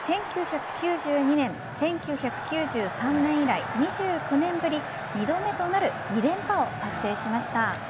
１９９２年、１９９３年以来２９年ぶり、２度目となる２連覇を達成しました。